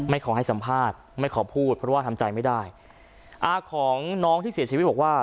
ขอให้สัมภาษณ์ไม่ขอพูดเพราะว่าทำใจไม่ได้อาของน้องที่เสียชีวิตบอกว่า